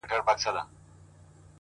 o كومه يوه خپله كړم ـ